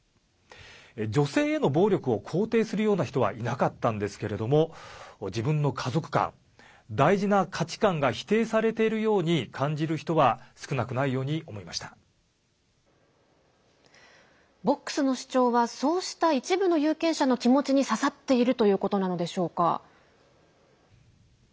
女性への暴力を肯定するような人はいなかったんですけれども自分の家族観、大事な価値観が否定されているように感じている人はボックスの主張はそうした一部の有権者の気持ちに刺さっているということなのでしょうか？